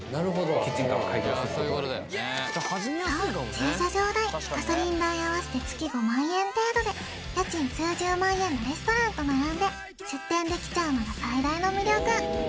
駐車場代ガソリン代合わせて月５万円程度で家賃数十万円のレストランと並んで出店できちゃうのが最大の魅力